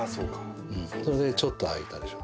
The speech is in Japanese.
それでちょっと空いたでしょ。